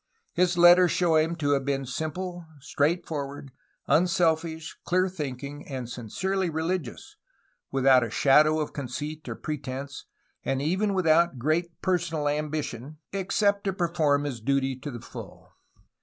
His letters show him to have been simple, straightforward, unselfish, clear thinking, and sincerely religious, without a shadow of con ceit or pretence, and even without great personal ambition, Antonio Bucareli I ANTONIO BUCARELI 271 except to perform his duty to the full.